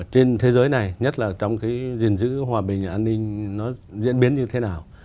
trên thế giới này nhất là trong cái gìn giữ hòa bình an ninh nó diễn biến như thế nào